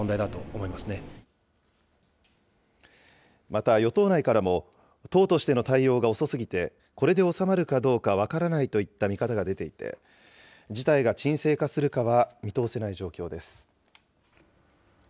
また与党内からも、党としての対応が遅すぎて、これで収まるかどうか分からないといった見方が出ていて、事態が沈静化するかは見通せない状況です。